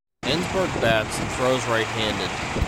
Ensberg bats and throws right-handed.